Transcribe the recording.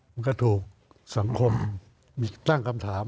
มันก็ถูกสังคมมีตั้งคำถาม